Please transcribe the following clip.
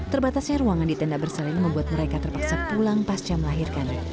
terbatasnya ruangan di tenda berseling membuat mereka terpaksa pulang pasca melahirkan